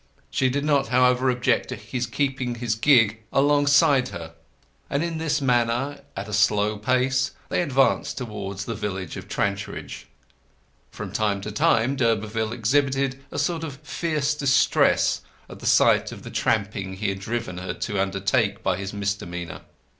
She did not, however, object to his keeping his gig alongside her; and in this manner, at a slow pace, they advanced towards the village of Trantridge. From time to time d'Urberville exhibited a sort of fierce distress at the sight of the tramping he had driven her to undertake by his misdemeanour.